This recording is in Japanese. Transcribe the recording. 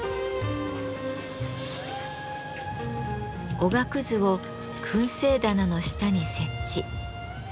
おがくずを燻製棚の下に設置。